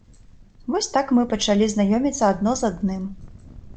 Вось так мы пачалі знаёміцца адно з адным.